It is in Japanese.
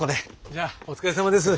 じゃあお疲れさまです。